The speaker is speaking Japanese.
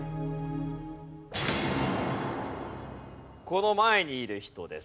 この前にいる人です。